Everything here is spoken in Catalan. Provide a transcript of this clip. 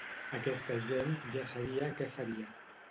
Aquesta gent ja sabia què faria.